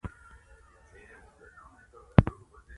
وروڼه یا په ډیره نیستۍ او یا هم په ډیر مال کي جلا کیږي.